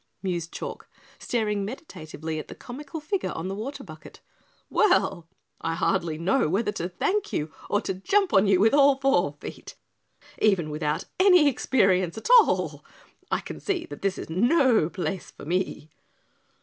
mused Chalk, staring meditatively at the comical figure on the water bucket. "Well, I hardly know whether to thank you or to jump on you with all four feet. Even without any experience at all, I can see that this is no place for me."